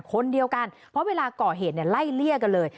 คนเดียวกันเพราะเวลาก่อเหตุไล่เลี่ยกันเลย